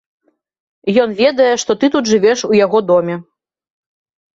Ён ведае, што ты тут жывеш у яго доме.